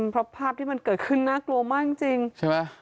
เพราะภาพที่มันเกิดขึ้นน่ากลัวมากจริงใช่ไหม